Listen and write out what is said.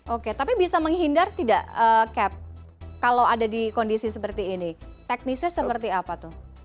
oke tapi bisa menghindar tidak cap kalau ada di kondisi seperti ini teknisnya seperti apa tuh